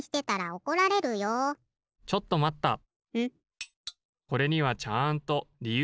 ・これにはちゃんとりゆうがあるんです。